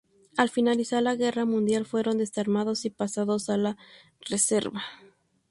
Al finalizar la guerra mundial fueron desarmados y pasados a la reserva.